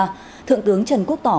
và thượng tướng trần quốc tỏ